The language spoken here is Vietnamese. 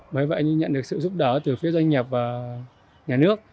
bởi vậy nhận được sự giúp đỡ từ phía doanh nghiệp và nhà nước